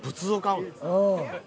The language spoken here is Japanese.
うん。